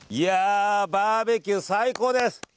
バーベキュー最高です。